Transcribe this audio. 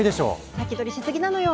先取りし過ぎなのよ。